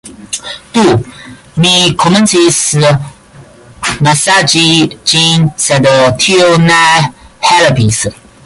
Do, mi komencis masaĝi ĝin sed tio ne helpis